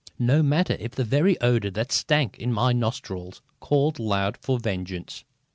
No matter if the very odour that stank in my nostrils called loud for vengeance.